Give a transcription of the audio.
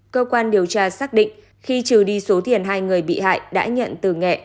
cơ quan điều tra xác định khi trừ đi số thiền hai người bị hại đã nhận từ nghệ